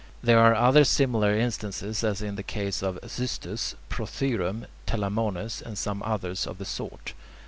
There are other similar instances as in the case of "xystus," "prothyrum," "telamones," and some others of the sort.